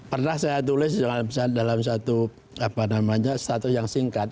pernah saya tulis dalam satu status yang singkat